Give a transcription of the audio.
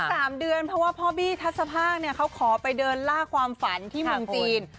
สามเดือนเพราะว่าพ่อบี้ทัศภาคเนี่ยเขาขอไปเดินล่าความฝันที่เมืองจีน